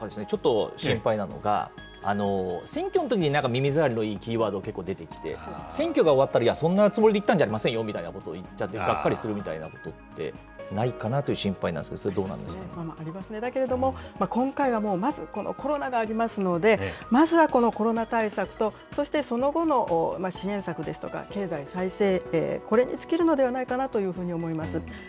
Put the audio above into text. ちょっと心配なのが、選挙のときに、なんか耳障りのいいキーワード、結構出てきて、選挙が終わったら、いや、そんなつもりで言ったんじゃありませんよみたいなことを言っちゃってがっかりするみたいなことってないかなという心配なんですけありがちですけれども、今回はもう、まずこのコロナがありますので、まずはこのコロナ対策と、そしてその後の支援策ですとか、経済再生、これに尽きるのではないかなと思います。